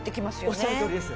おっしゃるとおりです。